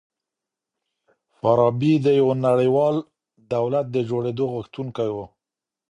فارابي د يوه نړيوال دولت د جوړېدو غوښتونکی و.